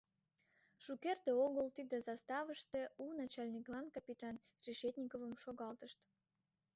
Шукерте огыл тиде заставыште у начальниклан капитан Решетниковым шогалтышт.